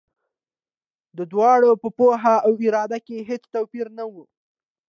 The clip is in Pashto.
د دواړو په پوهه او اراده کې هېڅ توپیر نه و.